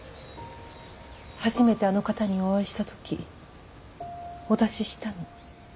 初めてあの方にお会いした時お出ししたの。